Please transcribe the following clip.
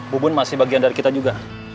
bubun masih bagian dari kita juga